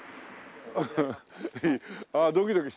ハハあドキドキした。